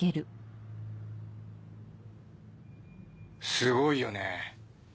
すごいよね。